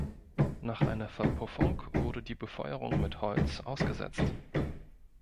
Nach einer Verpuffung wurde die Befeuerung mit Holz ausgesetzt.